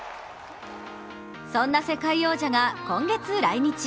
そんな世界王者が今月来日。